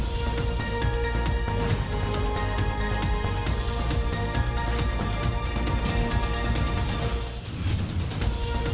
โปรดติดตามตอนต่อไป